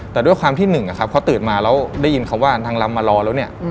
แต่ด้วยความที่หนึ่งอะครับเขาตื่นมาแล้วได้ยินคำว่านางลำมารอแล้วเนี่ย